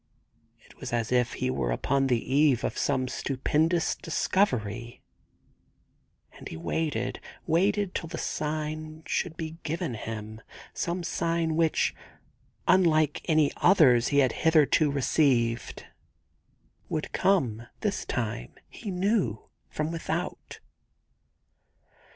It was as if he were upon the eve of some stupendous discovery; and he waited — waited till the signal should be given him — some sign which, unlike any others he had hitherto received, would come, this time, he knew, from without.